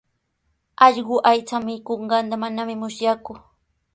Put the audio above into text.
Allqu aycha mikunqanta manami musyaaku.